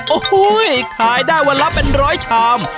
โอ้โหขายได้วันละเป็นร้อยชาม